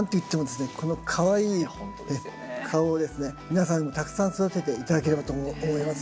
皆さんにたくさん育てて頂ければと思います。